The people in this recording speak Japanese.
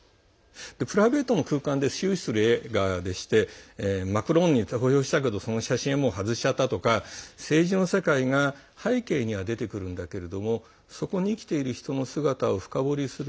プライベートの空間で終始する映画でしてマクロンに投票したけどその写真を外しちゃったとか政治の世界が背景には出てくるんだけどそこに生きている人の姿を深堀りする。